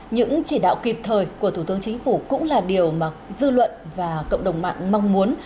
những chỉ đạo kịp thời của thủ tướng chính phủ cũng là điều mà dư luận và cộng đồng mạng mong muốn